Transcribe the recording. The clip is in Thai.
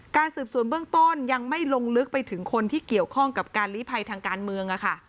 สืบสวนเบื้องต้นยังไม่ลงลึกไปถึงคนที่เกี่ยวข้องกับการลีภัยทางการเมือง